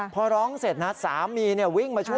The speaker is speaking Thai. พอร้องเสร็จนะสามีวิ่งมาช่วย